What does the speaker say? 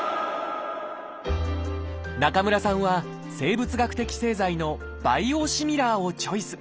中村さんは生物学的製剤の「バイオシミラー」をチョイス。